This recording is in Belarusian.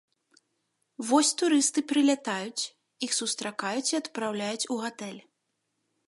Вось турысты прылятаюць, іх сустракаюць і адпраўляюць у гатэль.